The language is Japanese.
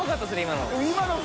今の。